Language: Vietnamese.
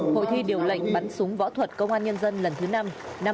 hội thi điều lệnh bắn súng võ thuật công an nhân dân lần thứ năm năm hai nghìn hai mươi